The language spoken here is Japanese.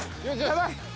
やばい。